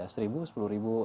seribu sepuluh ribu